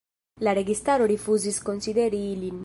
La registaro rifuzis konsideri ilin.